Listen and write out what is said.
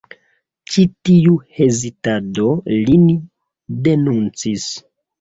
Ĉi tiu hezitado lin denuncis.